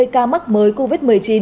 hai mươi ca mắc mới covid một mươi chín